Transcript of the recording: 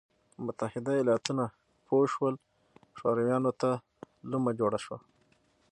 متحده ایالتونه پوه شول شورویانو ته لومه جوړه شوه.